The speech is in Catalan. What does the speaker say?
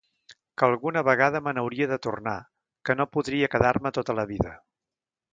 Que alguna vegada me n'hauria de tornar, que no podria quedar-me tota la vida.